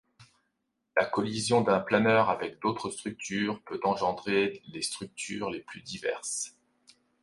La collision d'un planeur avec d'autres structures peut engendrer les structures les plus diverses.